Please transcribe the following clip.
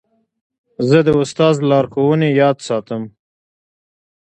زه د استاد لارښوونې یاد ساتم.